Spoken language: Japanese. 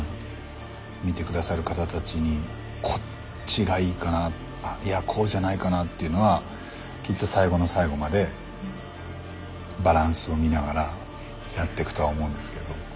見てくださる方たちにこっちがいいかないやこうじゃないかなっていうのはきっと最後の最後までバランスを見ながらやっていくとは思うんですけど。